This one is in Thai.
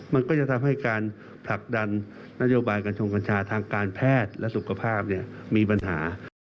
มันก็จะทำให้การผลักดันนโยบายกัญชงกัญชาทางการแพทย์และสุขภาพมีปัญหา